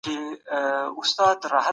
هر څوک د خپل ژوند مالک دی.